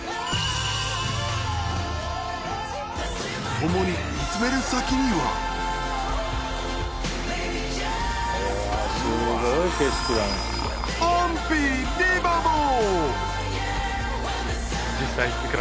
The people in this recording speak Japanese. ともに見つめる先にはアンビリーバボー！